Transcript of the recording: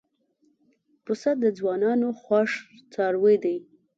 پسه د ځوانانو خوښ څاروی دی.